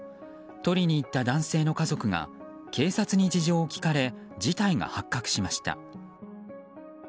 取りに行った男性の家族が警察に事情を聴かれ事態が発覚しました。